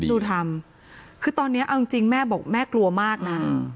ดูดูทำคือตอนเนี้ยเอาจริงจริงแม่บอกแม่กลัวมากน่ะอืม